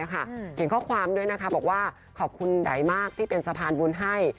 เขียนข้อความด้วยนะคะบอกว่าขอบคุณไดมากที่เป็นสะพานบุญให้